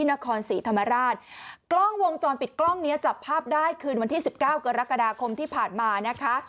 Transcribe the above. นครศรีธรรมราชกล้องวงจรปิดกล้องเนี้ยจับภาพได้คืนวันที่สิบเก้ากรกฎาคมที่ผ่านมานะคะ